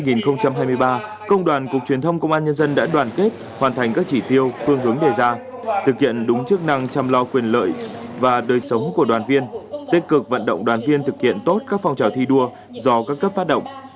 nhiệm kỳ hai nghìn một mươi tám hai nghìn hai mươi ba công đoàn cục truyền thông công an nhân dân đã đoàn kết hoàn thành các chỉ tiêu phương hướng đề ra thực hiện đúng chức năng chăm lo quyền lợi và đời sống của đoàn viên tích cực vận động đoàn viên thực hiện tốt các phong trào thi đua do các cấp phát động